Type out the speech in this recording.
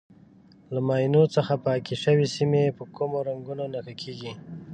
له ماینو څخه پاکې شوې سیمې په کومو رنګونو نښه کېږي.